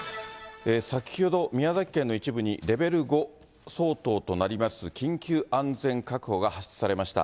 先ほど、宮崎県の一部にレベル５相当となります緊急安全確保が発出されました。